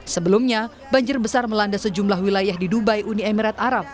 sebelumnya banjir besar melanda sejumlah wilayah di dubai uni emirat arab